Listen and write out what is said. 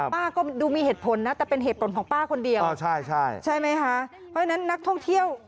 ป้าก็ดูมีเหตุผลนะแต่เป็นเหตุผลของป้าคนเดียว